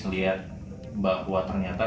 ngeliat bahwa ternyata